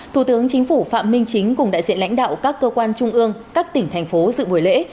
thủ tướng chính phủ phạm minh chính cùng đại diện lãnh đạo các cơ quan trung ương các tỉnh thành phố dự buổi lễ